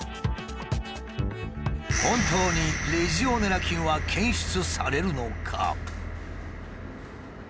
本当にレジオネラ菌は検出されるのか？